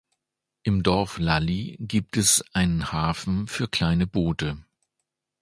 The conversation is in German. Im Dorf Lalli gibt es einen Hafen für kleine Boote.